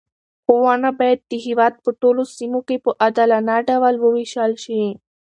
ښوونه باید د هېواد په ټولو سیمو کې په عادلانه ډول وویشل شي.